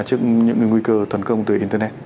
trước những cái nguy cơ tuần công từ internet